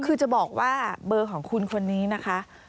คือจะบอกว่าเบอร์ของคุณคนนี้นะคะ